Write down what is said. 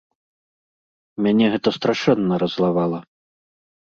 Мяне гэта страшэнна раззлавала.